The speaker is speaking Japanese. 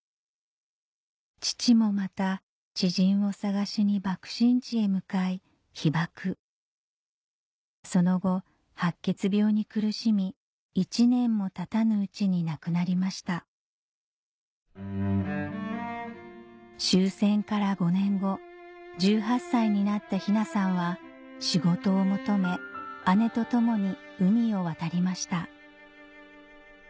父もまた知人を捜しに爆心地へ向かい被爆その後白血病に苦しみ１年もたたぬうちに亡くなりました終戦から５年後１８歳になった雛さんは仕事を求め姉と共に海を渡りました